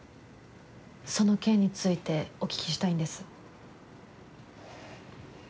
その件についてお聞きしたいんです。